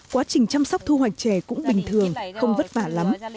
quá trình chăm sóc thu hoạch chè cũng bình thường không vất vả lắm